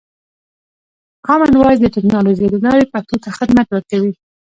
کامن وایس د ټکنالوژۍ له لارې پښتو ته خدمت ورکوي.